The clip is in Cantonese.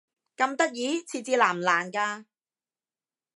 咁得意？設置難唔難㗎？